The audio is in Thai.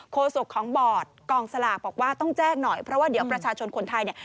โคสกของบอร์ดกองสลากบอกว่าต้องแจ้งหน่อย